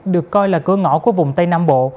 được coi là cửa ngõ của vùng tây nam bộ